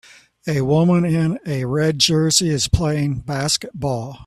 A woman in a red jersey is playing basketball